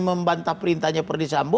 membantah perintahnya perdis ambo